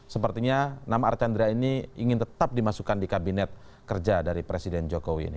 sepertinya nama archandra ini ingin tetap dimasukkan di kabinet kerja dari presiden jokowi ini